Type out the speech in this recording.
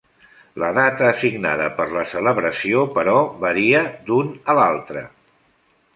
La data assignada per la celebració, però, varia d'un a l'altre.